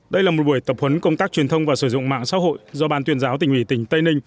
đây là một buổi tập huấn công tác truyền thông và sử dụng mạng xã hội do ban tuyên giáo tỉnh ủy tỉnh tây ninh